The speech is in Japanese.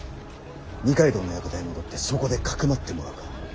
二階堂の館へ戻ってそこで匿ってもらうか。